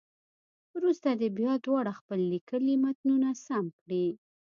وروسته دې بیا دواړه خپل لیکلي متنونه سم کړي.